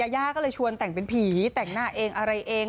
ย่าก็เลยชวนแต่งเป็นผีแต่งหน้าเองอะไรเอง